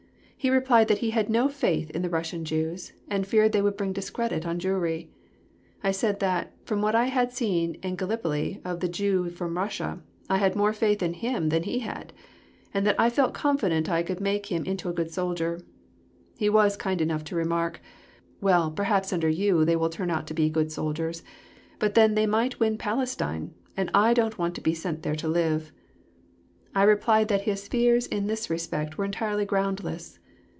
He replied that he had no faith in the Russian Jews, and feared they would bring discredit on Jewry. I said that, from what I had seen in Gallipoli of the Jew from Russia, I had more faith in him than he had, and that I felt confident I could make him into a good soldier. He was kind enough to remark, "Well, perhaps under you they will turn out to be good soldiers, but then they might win Palestine, and I don't want to be sent there to live." I replied that his fears in this respect were entirely groundless.